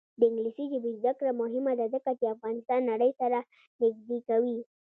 د انګلیسي ژبې زده کړه مهمه ده ځکه چې افغانستان نړۍ سره نږدې کوي.